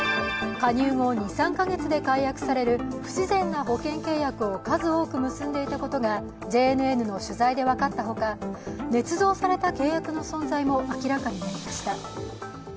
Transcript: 加入後２３か月で解約される不自然な保険契約を数多く結んでいたことがＪＮＮの取材で分かったほか、ねつ造された契約の存在も明らかになりました。